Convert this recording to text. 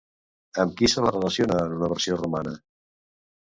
Amb qui se la relaciona en una versió romana?